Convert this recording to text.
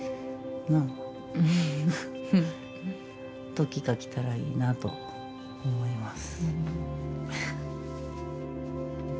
ときが来たらいいなと思います。